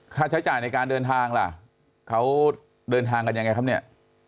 ค่าใช้จ่ายในการเดินทางล่ะเขาเดินทางกันยังไงครับเนี่ย